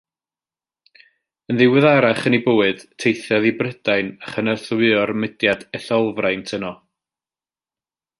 Yn ddiweddarach yn ei bywyd, teithiodd i Brydain a chynorthwyo'r mudiad etholfraint yno.